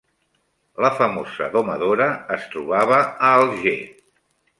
La famosa domadora es trobava a Alger